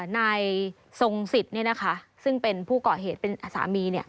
นายทรงสิทธิ์ซึ่งเป็นผู้ก่อเหตุเป็นสามี